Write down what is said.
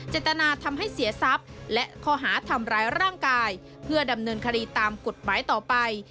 เจตนาทำให้เสียทรัพย์และข้อหาทำร้ายร่างกายเพื่อดำเนินคดีตามกฎหมายต่อไป